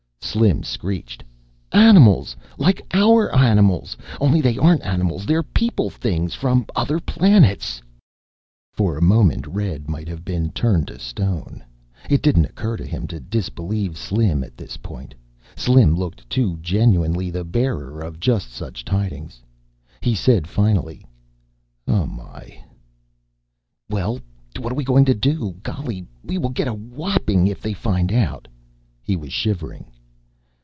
Slim screeched, "Animals! like our animals! Only they aren't animals. They're people things from other planets." For a moment Red might have been turned to stone. It didn't occur to him to disbelieve Slim at this point. Slim looked too genuinely the bearer of just such tidings. He said, finally, "Oh, my." "Well, what are we going to do? Golly, will we get a whopping if they find out?" He was shivering.